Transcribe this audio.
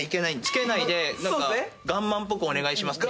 着けないでガンマンっぽくお願いしますって。